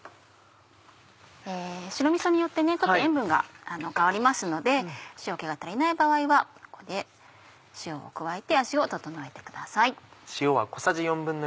白みそによってちょっと塩分が変わりますので塩気が足りない場合はここで塩を加えて味を整えてください。